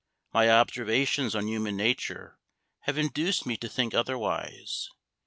My observations on human nature have induced me to think otherwise.